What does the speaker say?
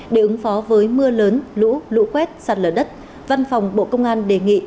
để ứng phó với mưa lớn lũ lũ quét sạt lở đất văn phòng bộ công an đề nghị